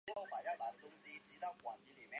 饰带上是拉丁文的利玛窦宿舍格言。